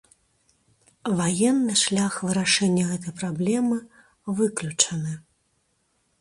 Ваенны шлях вырашэння гэтай праблемы выключаны.